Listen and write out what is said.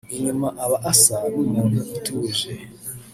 Inyuma aba asa n’umuntu utuje